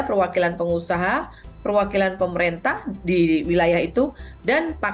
perwakilan pengusaha perwakilan pemerintah di wilayah itu dan pakar